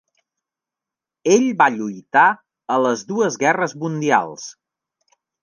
Ell va lluitar a les dues guerres mundials.